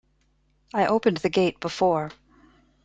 I opened the gate before.